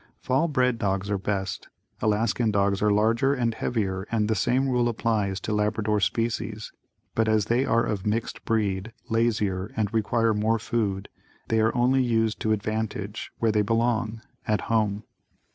Fall bred dogs are best. Alaskan dogs are larger and heavier and the same rule applies to Labrador species, but as they are of mixed breed, lazier and require more food they are only used to advantage where they belong at home.